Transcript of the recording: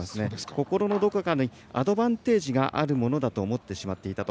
心のどこかにアドバンテージがあるものだと思ってしまっていたと。